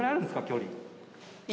距離。